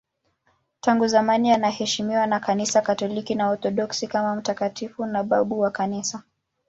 Tangu zamani anaheshimiwa na Kanisa Katoliki na Waorthodoksi kama mtakatifu na babu wa Kanisa.